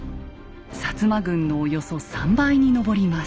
摩軍のおよそ３倍に上ります。